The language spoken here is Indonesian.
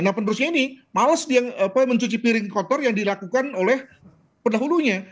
nah penerusnya ini malas mencuci piring kotor yang dilakukan oleh pendahulunya